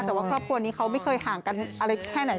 แต่ว่าครอบครัวนี้เขาไม่เคยห่างกันอะไรแค่ไหน